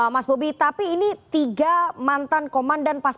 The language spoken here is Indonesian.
mas bobi tapi ini tiga mantan komandan pas pampres